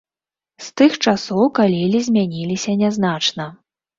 З тых часоў калелі змяніліся нязначна.